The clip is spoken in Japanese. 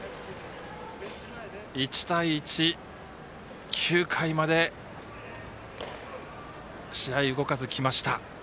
１対１、９回まで試合動かず、きました。